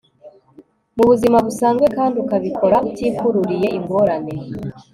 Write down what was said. mu buzima busanzwe kandi ukabikora utikururiye ingorane